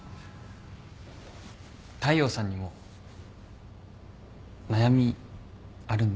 大陽さんにも悩みあるんですか？